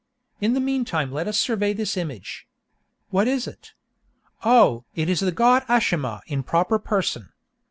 In the meantime let us survey this image. What is it? Oh! it is the god Ashimah in proper person.